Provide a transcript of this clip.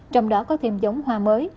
trong đó có thêm giống hoa mới